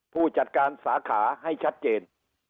ผู้จัดการสาขาให้ชัดเจน